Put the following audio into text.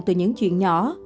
từ những chuyện nhỏ